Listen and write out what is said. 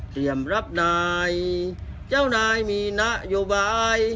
เตรียมรับนายเจ้านายมีนะอยู่บ้าย